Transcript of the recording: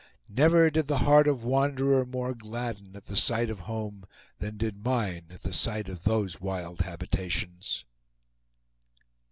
Never did the heart of wanderer more gladden at the sight of home than did mine at the sight of those wild habitations!